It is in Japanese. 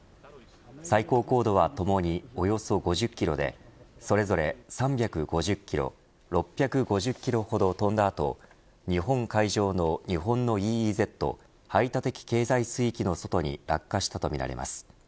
最高高度はともにおよそ５０キロでそれぞれ３５０キロ６５０キロほど飛んだ後日本海上の日本のＥＥＺ＝排他的経済水域の外に落下したとみられます。